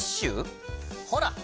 ほら！